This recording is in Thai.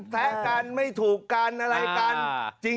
แทะกันไม่ถูกกันอะไรกัน